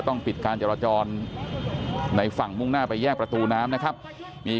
ปิดการจราจรในฝั่งมุ่งหน้าไปแยกประตูน้ำนะครับมี